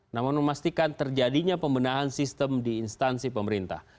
namun memastikan terjadinya pembenahan sistem di instansi pemerintah